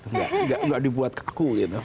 nggak dibuat kaku gitu